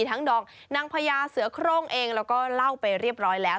ดองนางพญาเสือโครงเองแล้วก็เล่าไปเรียบร้อยแล้ว